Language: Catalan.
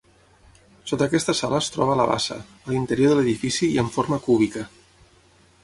Sota aquesta sala es troba la bassa, a l'interior de l'edifici i amb forma cúbica.